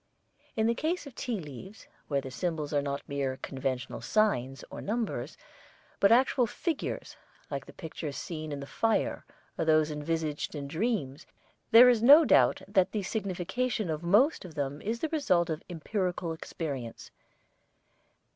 In the case of tea leaves, where the symbols are not mere 'conventional signs' or numbers but actual figures like the pictures seen in the fire or those envisaged in dreams, there is no doubt that the signification of most of them is the result of empyrical experience.